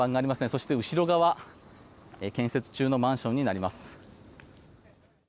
そして、後ろ側建設中のマンションになります。